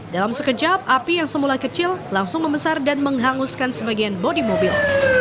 dalam sekejap api yang semula kecil langsung membesar dan menghanguskan sebagian bodi mobil